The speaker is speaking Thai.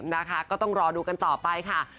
นะคะก็ต้องรอดูกันต่อไปค่ะ